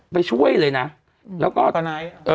ไปช่วยเลยนะแล้วก็ตอนนั้น